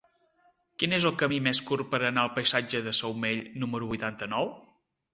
Quin és el camí més curt per anar al passatge de Saumell número vuitanta-nou?